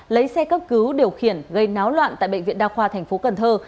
lấy xe cấp cứu điều khiển gây náo loạn tại bệnh viện đa khoa thành phố cần thơ